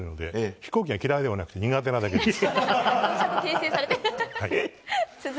飛行機が嫌いなんじゃなくて苦手なだけです。